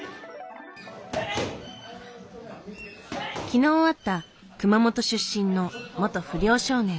昨日会った熊本出身の元不良少年。